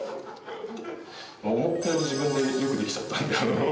思ったより自分でよくできちゃったので。